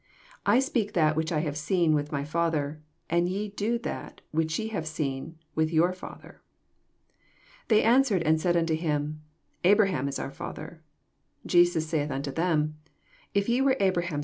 38 I speak that which I have seen with my Father: and ye do that which ye have seen with your father. 39 They answered and said unto him, Abraham is our father. Jesus saith unto them, If ye were Abraham'!